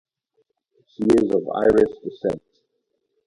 She is of Irish descent.